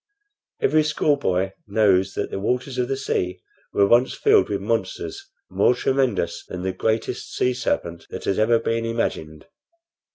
Every schoolboy knows that the waters of the sea were once filled with monsters more tremendous than the greatest sea serpent that has ever been imagined.